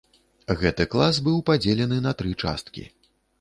Гэты клас быў падзелены на тры часткі.